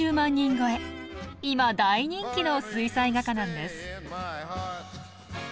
今大人気の水彩画家なんです。